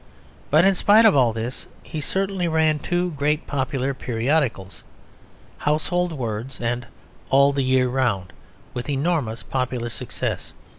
But in spite of all this he certainly ran two great popular periodicals Household Words and All the Year Round with enormous popular success.